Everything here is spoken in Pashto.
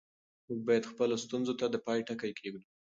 موږ باید خپلو ستونزو ته د پای ټکی کېږدو.